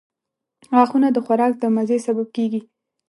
• غاښونه د خوراک د مزې سبب کیږي.